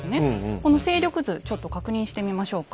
この勢力図ちょっと確認してみましょうか。